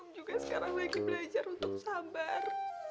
juga sekarang lagi belajar untuk sabar